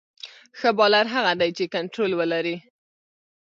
ښه بالر هغه دئ، چي کنټرول ولري.